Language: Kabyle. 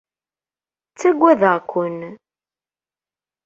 Ttagadeɣ-ken.